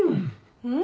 うん。